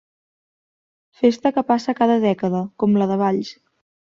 Festa que passa cada dècada, com la de Valls.